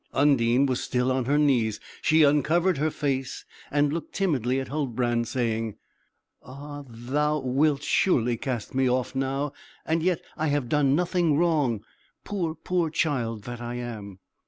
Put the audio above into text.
Undine was still on her knees; she uncovered her face and looked timidly at Huldbrand, saying, "Ah, thou wilt surely cast me off now; and yet I have done nothing wrong, poor, poor child that I am!"